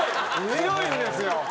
強いんですよ。